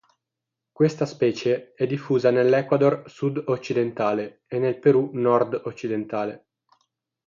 Questa specie è diffusa nell'Ecuador sud-occidentale e nel Perù nord-occidentale.